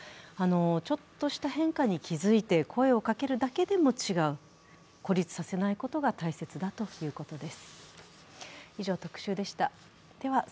ちょっとした変化に気付いて声をかけるだけでも違う孤立させないことが大切だということです。